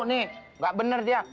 nih gak bener dia